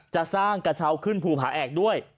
จะสร้างกระเช้าขึ้นภูผาแอกด้วย